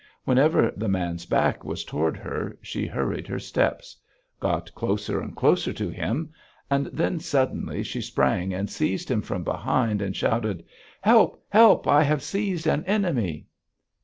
Whenever the man's back was toward her, she hurried her steps; got closer and closer to him; and then, suddenly, she sprang and seized him from behind and shouted: "Help! Help! I have seized an enemy!"